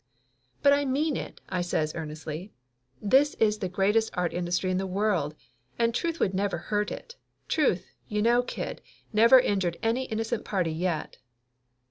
"But I mean it!" I says earnestly. "This is the greatest art industry in the world, and truth would never hurt it ; truth, you know, kid, never injured any innocent party yet!"